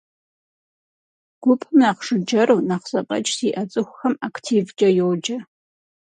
Гупым нэхъ жыджэру, нэхъ зэфӏэкӏ зиӏэ цӏыхухэм активкӏэ йоджэ.